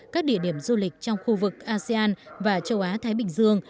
các địa điểm du lịch trong khu vực asean và châu á thái bình dương